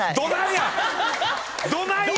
どないや！